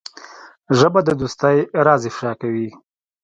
ژبه د دوستۍ راز افشا کوي